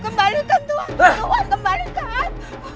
kembalikan tuhan tuhan kembalikan